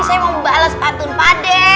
ini saya mau bales patun pade